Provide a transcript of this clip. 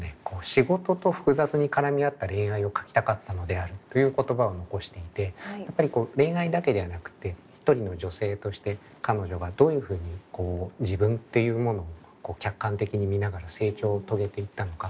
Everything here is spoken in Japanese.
「仕事と複雑に絡み合った恋愛を書きたかったのである」という言葉を残していてやっぱりこう恋愛だけではなくて一人の女性として彼女がどういうふうに自分っていうものを客観的に見ながら成長を遂げていったのか。